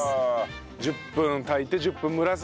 １０分炊いて１０分蒸らす。